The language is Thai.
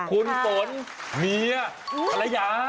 คุณฝนเหนียศรายา